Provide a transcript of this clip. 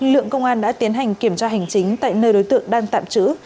lượng công an đã tiến hành kiểm tra hành chính tại nơi đối tượng đang tạm trữ